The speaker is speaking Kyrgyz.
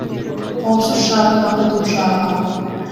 Коопсуз шаардан акылдуу шаарга